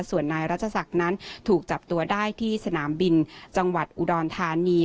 ส่วนนายรัชศักดิ์นั้นถูกจับตัวได้ที่สนามบินจังหวัดอุดรธานี